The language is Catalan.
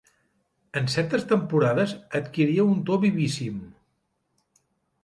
En certes temporades adquiria un to vivíssim.